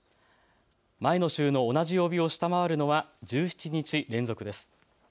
前の週の同じ曜日を下回るのは１７日連続です。